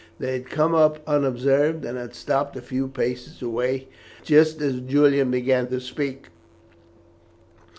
They had come up unobserved, and had stopped a few paces away just as Julian began to speak.